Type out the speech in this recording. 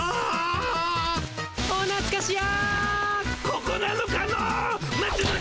ここなのかの？